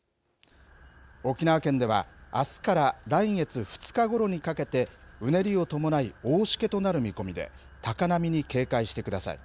沖縄県では、あすから来月２日ごろにかけて、うねりを伴い、大しけとなる見込みで、高波に警戒してください。